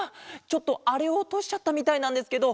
ちょっとあれをおとしちゃったみたいなんですけど。